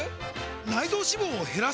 内臓脂肪を減らす！？